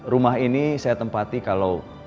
rumah ini saya tempati kalau